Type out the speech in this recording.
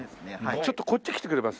ちょっとこっち来てくれます？